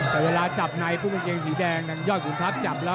แต่เวลาจับในผู้บุกเกียงสีแดงดังย่อยขุมทัพจับแล้ว